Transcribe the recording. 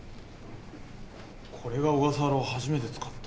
これが小笠原を初めて使った？